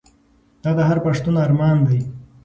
دا د هر پښتون ارمان دی.